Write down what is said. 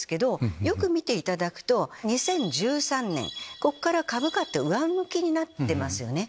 よく見ていただくと２０１３年ここから株価って上向きになってますね。